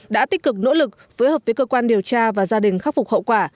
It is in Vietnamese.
đã tích cực nỗ lực phối hợp với cơ quan điều tra và gia đình khắc phục hậu quả